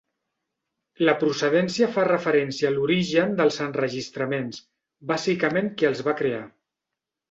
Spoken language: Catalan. La procedència fa referència a l'origen dels enregistraments, bàsicament qui els va crear.